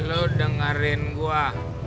lo dengerin gua